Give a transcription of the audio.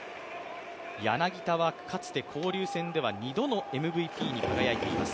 柳田はかつて交流戦では２度のＭＶＰに輝いています。